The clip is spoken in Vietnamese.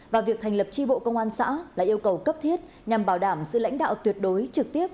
và việc thành lập tri bộ công an xã là yêu cầu cấp thiết nhằm bảo đảm sự lãnh đạo tuyệt đối trực tiếp